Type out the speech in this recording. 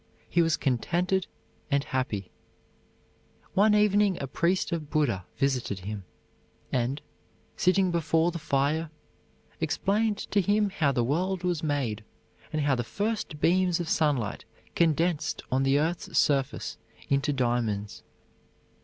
He was contented and happy. One evening a priest of Buddha visited him, and, sitting before the fire, explained to him how the world was made, and how the first beams of sunlight condensed on the earth's surface into diamonds.